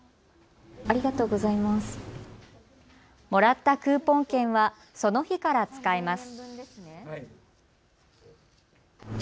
もらったクーポン券はその日から使えます。